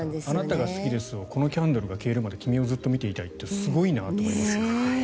あなたが好きですをこのキャンドルが消えるまで君をずっと見ていたいってすごいなって。